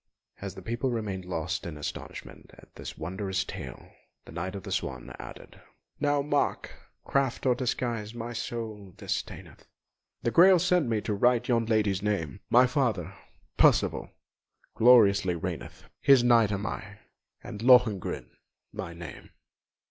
As the people remained lost in astonishment at this wondrous tale, the Knight of the Swan added: "Now mark, craft or disguise my soul disdaineth, The Grail sent me to right yon lady's name; My father, Percival, gloriously reigneth, His Knight am I, and Lohengrin my name!"